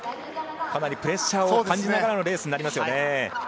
かなりプレッシャーを感じながらのレースになります。